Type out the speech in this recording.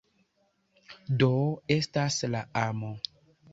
Dio estas la Amo.